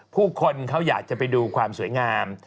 ผู้คนเขาอยากจะไปดูความสวยงาม